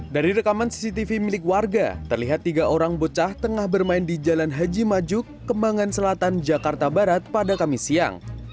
dari rekaman cctv milik warga terlihat tiga orang bocah tengah bermain di jalan haji maju kembangan selatan jakarta barat pada kamis siang